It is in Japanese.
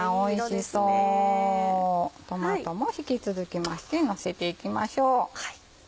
トマトも引き続きましてのせていきましょう。